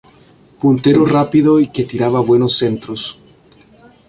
Puntero rápido y que tiraba buenos centros.